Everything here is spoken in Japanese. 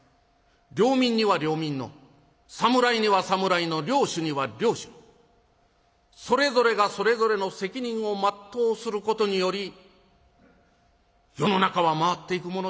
領民には領民の侍には侍の領主には領主のそれぞれがそれぞれの責任を全うすることにより世の中は回っていくものでございます。